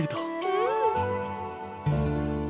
うん！